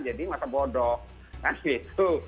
jadi masa bodoh kan gitu